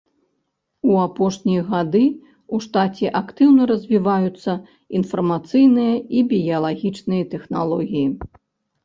У апошнія гады ў штаце актыўна развіваюцца інфармацыйныя і біялагічныя тэхналогіі.